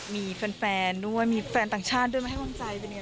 มีแฟนด้วยมีแฟนต่างชาติด้วยมาให้กำลังใจเป็นยังไง